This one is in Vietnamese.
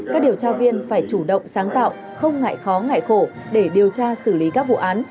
các điều tra viên phải chủ động sáng tạo không ngại khó ngại khổ để điều tra xử lý các vụ án